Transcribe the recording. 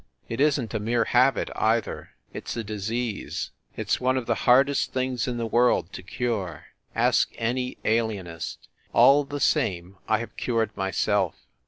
It isn t a mere habit, either it s a disease ; it s one of the hardest things in the world to cure. Ask any alienist. All the same, I have cured myself.